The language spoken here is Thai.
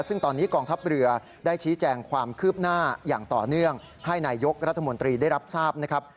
ซึ่งตอนนี้กองทัพเรือได้ชี้แจงความคืบหน้าอย่างต่อเนื่องให้นายกรัฐมนตรีได้รับทราบนะครับ